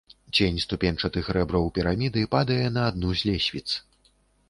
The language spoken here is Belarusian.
Цень ступеньчатых рэбраў піраміды падае на адну з лесвіц.